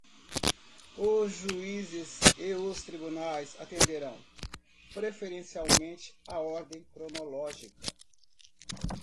Os juízes e os tribunais atenderão, preferencialmente, à ordem cronológica